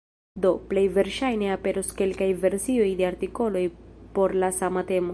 Do, plej verŝajne aperos kelkaj versioj de artikoloj por la sama temo.